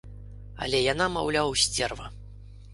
Але яна, маўляў, сцерва.